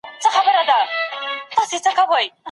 ښوونکي د کلونو راهیسې روزنه ورکوله.